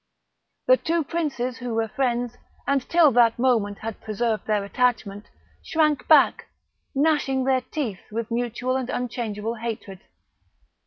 The two princes who were friends, and till that moment had preserved their attachment, shrank back, gnashing their teeth with mutual and unchangeable hatred.